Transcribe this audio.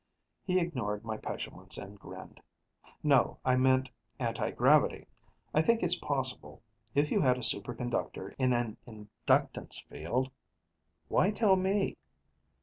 He ignored my petulance and grinned. "No, I meant anti gravity. I think it's possible. If you had a superconductor in an inductance field " "Why tell me?"